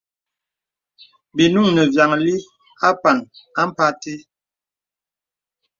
Bì nùŋ nə vyàŋli àpàŋ ampa te.